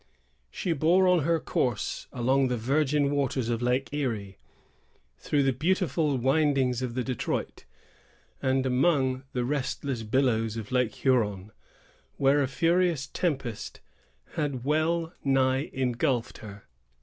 She bore on her course along the virgin waters of Lake Erie, through the beautiful windings of the Detroit, and among the restless billows of Lake Huron, where a furious tempest had well nigh ingulphed her.